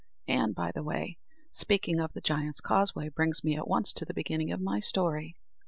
And, by the way, speaking of the Giant's Causeway brings me at once to the beginning of my story.